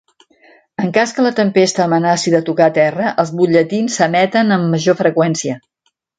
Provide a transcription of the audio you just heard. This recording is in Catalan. En cas que la tempesta amenaci de tocar terra, els butlletins s'emeten amb major freqüència.